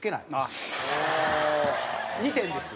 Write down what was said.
２点です。